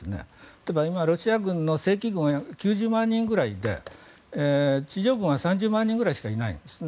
例えば、今、ロシアの正規軍は９０万人ぐらいで地上軍は３０万人ぐらいしかいないんですね。